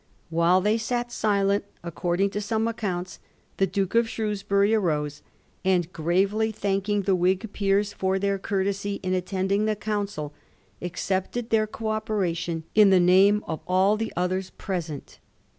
While they sat silent, according to some accounts, the Duke of Shrewsbury arose, and gravely thanking the Whig peers for their courtesy in attending the Council, accepted their co operation in the name of all the others present.